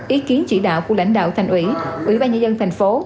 ý kiến chỉ đạo của lãnh đạo thành ủy ủy ban nhân dân thành phố